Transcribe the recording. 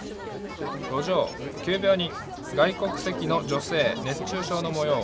路上、急病人、外国籍の女性、熱中症のもよう。